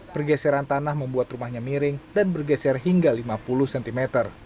pergeseran tanah membuat rumahnya miring dan bergeser hingga lima puluh cm